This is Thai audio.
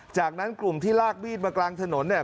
จากนั้นกลุ่มที่ลากมีดมากลางถนนเนี่ย